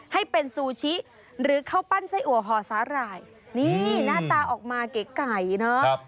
ให้เป็นซูชิหรือข้าวปั้นไส้อัวห่อสาหร่ายนี่หน้าตาออกมาเก๋ไก่เนอะ